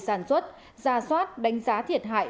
sản xuất ra soát đánh giá thiệt hại